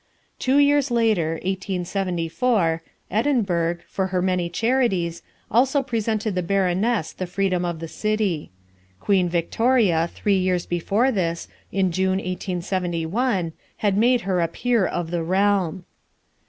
Two years later, 1874, Edinburgh, for her many charities, also presented the Baroness the freedom of the city. Queen Victoria, three years before this, in June, 1871, had made her a peer of the realm.